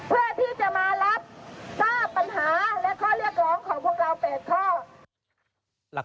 เพื่อที่จะมารับทราบปัญหาและข้อเรียกร้องของพวกเรา๘ข้อ